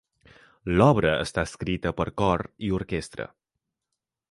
L'obra està escrita per cor i orquestra.